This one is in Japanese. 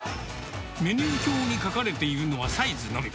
メニュー表に書かれているのはサイズのみ。